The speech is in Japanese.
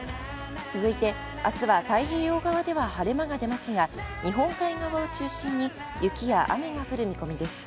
続いて、あすは太平洋側では晴れ間が出ますが、日本海側を中心に雪や雨が降る見込みです。